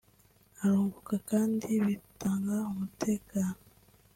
arunguka kandi bigatanga umutekano